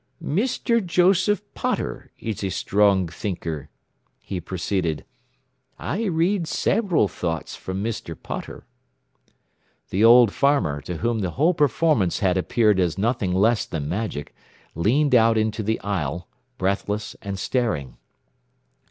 "Mr. Joseph Potter is a strong thinker," he proceeded. "I read several thoughts from Mr. Potter." The old farmer, to whom the whole performance had appeared as nothing less than magic, leaned out into the aisle, breathless and staring.